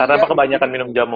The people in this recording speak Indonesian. karena apa kebanyakan minum jamu